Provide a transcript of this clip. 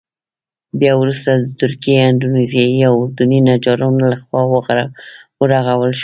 بیا وروسته د تركي، اندونيزيايي او اردني نجارانو له خوا ورغول شو.